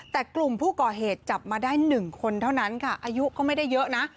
แต่กลุ่มผู้ก่อเหตุจับมาได้๑คนเท่านั้นค่ะอายุก็ไม่ได้เยอะนะ